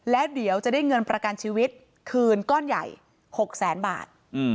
แล้วเดี๋ยวจะได้เงินประกันชีวิตคืนก้อนใหญ่๖แสนบาท